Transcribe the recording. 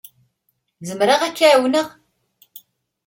Zemreɣ ad k-ɛawneɣ?